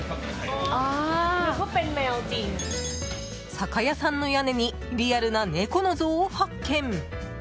酒屋さんの屋根にリアルな猫の像を発見。